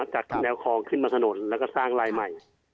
จากแนวคลองขึ้นมาถนนแล้วก็สร้างลายใหม่